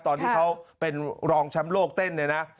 ตอนที่เขาเป็นรองชำโลกเต้น